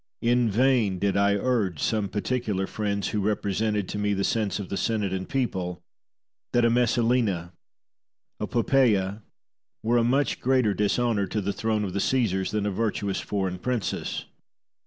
In vain did I urge to some particular friends, who represented to me the sense of the Senate and people, that a Messalina, a Poppaea, were a much greater dishonour to the throne of the Caesars than a virtuous foreign princess.